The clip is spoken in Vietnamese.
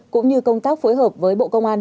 cũng như công tác phối hợp với bộ công an